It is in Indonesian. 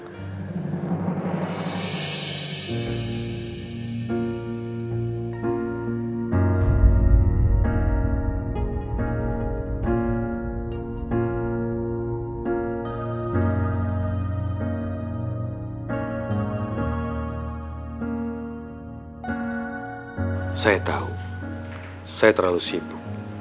tjadi tukang ipu vakter itu